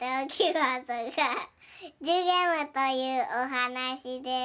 「じゅげむ」というおはなしで。